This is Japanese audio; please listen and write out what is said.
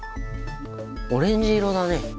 オレンジ色だね。